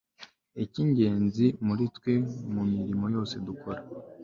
Icyingenzi kuri twe mu mirimo yose dukora